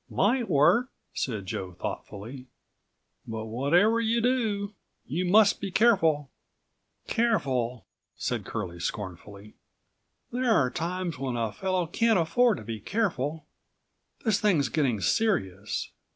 "Might work," said Joe thoughtfully, "but63 whatever you do, you must be careful." "Careful?" said Curlie scornfully. "There are times when a fellow can't afford to be careful. This thing's getting serious."